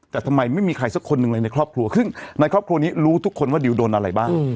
แต่ทำไมไม่มีใครสักคนหนึ่งเลยในครอบครัวซึ่งในครอบครัวนี้รู้ทุกคนว่าดิวโดนอะไรบ้าง